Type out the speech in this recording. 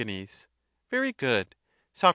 Very good. Soc.